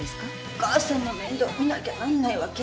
お母さんの面倒見なきゃなんないわけ？